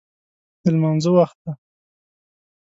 د لمانځه وخت دی